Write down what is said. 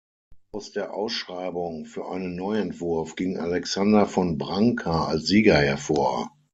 Aus der Ausschreibung für einen Neuentwurf ging Alexander von Branca als Sieger hervor.